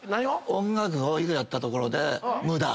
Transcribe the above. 音楽をいくらやったところでムダ。